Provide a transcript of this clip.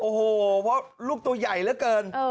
โอ้โหเพราะลูกตัวใหญ่เหลือเกิน